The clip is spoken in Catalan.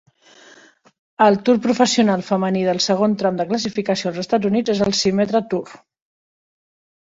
El tour professional femení del segon tram de classificació als Estats Units és el Symetra Tour.